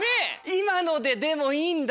今のででもいいんだ。